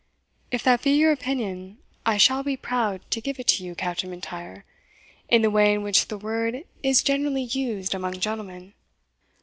"If that be your opinion, I shall be proud to give it to you, Captain M'Intyre, in the way in which the word is generally used among gentlemen."